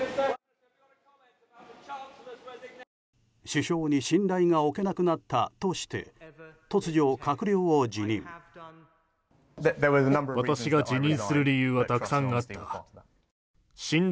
首相に信頼がおけなくなったとして突如、閣僚を辞任。